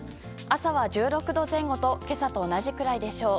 朝は１６度前後と今朝と同じくらいでしょう。